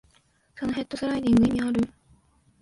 そのヘッドスライディング、意味ある？